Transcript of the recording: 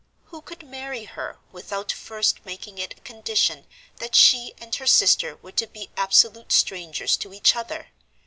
Who could marry her, without first making it a condition that she and her sister were to be absolute strangers to each other?